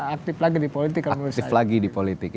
aktif lagi di politik aktif lagi di politik